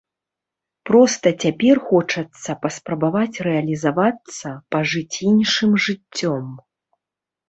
Проста цяпер хочацца паспрабаваць рэалізавацца, пажыць іншым жыццём.